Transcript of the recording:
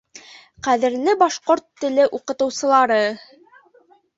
Ҡәҙерле башҡорт теле уҡытыусылары!